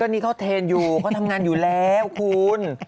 นี่เขาเทรนอยู่เขาทำงานอยู่แล้วคุณ